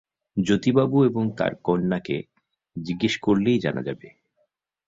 জ্যোতিবাবু এবং তাঁর কন্যাকে জিজ্ঞেস করলেই জানা যাবে।